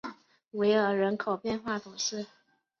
维厄人口变化图示